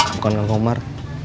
bukan yang omar